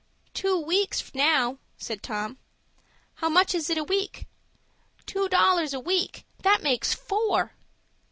"Two weeks now," said Tom. "How much is it a week?" "Two dollars a week—that makes four."